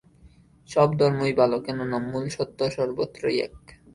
সব ধর্মই ভাল, কেননা মূল সত্য সর্বত্রই এক।